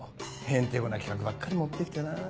へんてこな企画ばっかり持って来てなぁ。